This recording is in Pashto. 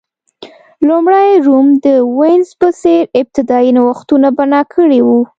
لومړی روم د وینز په څېر ابتدايي نوښتونه بنا کړي وو